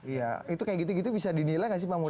iya itu kayak gitu gitu bisa dinilai gak sih pak mul